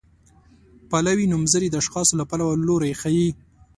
پلوي نومځري د اشخاصو له پلوه لوری ښيي.